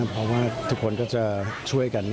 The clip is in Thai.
เพราะว่าทุกคนก็จะช่วยกัน